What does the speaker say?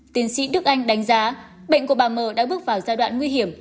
tiến sĩ đức anh đánh giá bệnh của bà mờ đã bước vào giai đoạn nguy hiểm